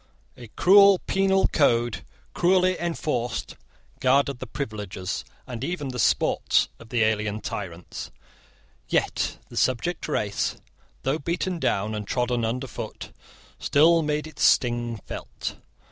A cruel penal code, cruelly enforced, guarded the privileges, and even the sports, of the alien tyrants. Yet the subject race, though beaten down and trodden underfoot, still made its sting felt.